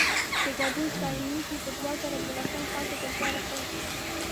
د ګډون ستاینلیک يې په دوه زره دولسم کال کې ترلاسه کړ.